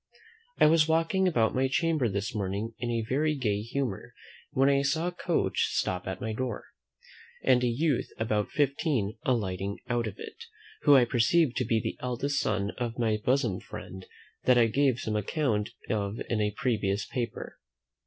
I was walking about my chamber this morning in a very gay humour, when I saw a coach stop at my door, and a youth about fifteen alighting out of it, who I perceived to be the eldest son of my bosom friend, that I gave some account of in a previous paper.